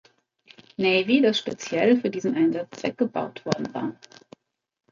Navy, das speziell für diesen Einsatzzweck gebaut worden war.